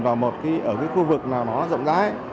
vào một cái khu vực nào nó rộng rãi